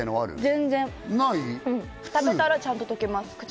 全然食べたらちゃんと溶けますない？